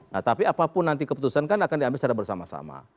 nah tapi apapun nanti keputusan kan akan diambil secara bersama sama